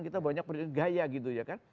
kita banyak perjuang gaya gitu ya kan